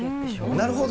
なるほど。